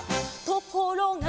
「ところが」